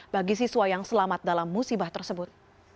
bagi siswa yang selamat dalam musibah tersebut